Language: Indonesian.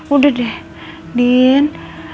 udah deh din